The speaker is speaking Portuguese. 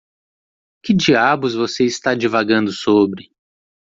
Que diabos você está divagando sobre?